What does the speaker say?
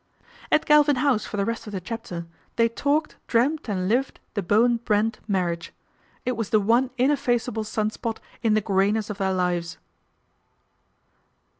" At Galvin House for the rest of the chapter they talked, dreamed and lived the Bowen Brent marriage. It was the one ineffaceable sunspot in the greyness of their lives.